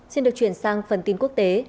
xin được chuyển sang phần tin quốc tế